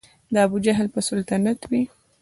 د ابوجهل به سلطنت وي